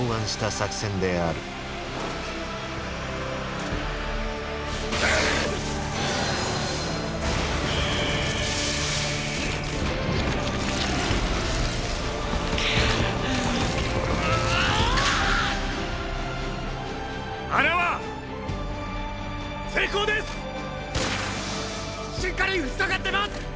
しっかり塞がってます！！